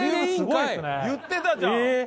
言ってたじゃん！